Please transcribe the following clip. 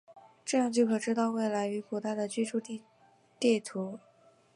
这样就可知道未来与古代的居住地地图。